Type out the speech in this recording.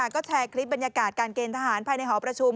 ก็แชร์คลิปบรรยากาศการเกณฑ์ทหารภายในหอประชุม